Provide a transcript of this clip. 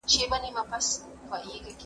انلاين زده کړه د ځان مسؤليت لوړ کړی دی.